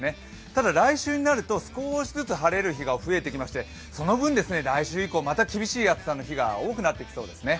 ただ、来週になると少しずつ晴れる日が増えてきまして、その分、来週以降、また厳しい暑さの日が多くなってきそうですね。